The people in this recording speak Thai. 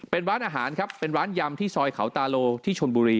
เป็นร้านอาหารครับเป็นร้านยำที่ซอยเขาตาโลที่ชนบุรี